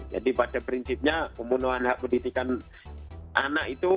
pada prinsipnya pembunuhan hak pendidikan anak itu